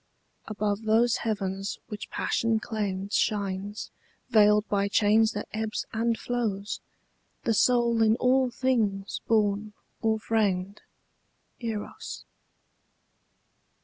Above those heavens which passion claimed Shines, veiled by change that ebbs and flows, The soul in all things born or framed, Eros.